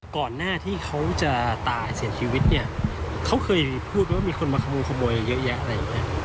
ก่อนหน้าที่เขาจะตายเสียชีวิตเนี่ยเขาเคยพูดไหมว่ามีคนมาขโมยเยอะแยะอะไรอย่างเงี้ย